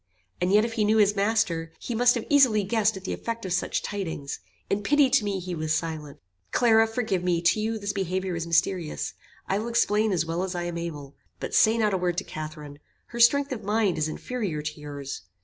And yet if he knew his master, he must have easily guessed at the effect of such tidings. In pity to me he was silent." "Clara, forgive me; to you, this behaviour is mysterious. I will explain as well as I am able. But say not a word to Catharine. Her strength of mind is inferior to your's.